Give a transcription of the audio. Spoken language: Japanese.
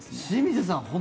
清水さん